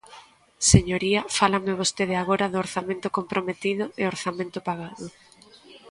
Señoría, fálame vostede agora de orzamento comprometido e orzamento pagado.